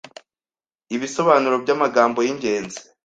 Ibisobanuro by’amagambo y’ingenzi